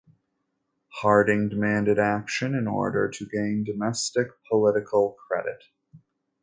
Harding demanded action in order to gain domestic political credit.